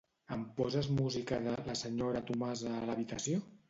Em poses música de La senyora Tomasa a l'habitació?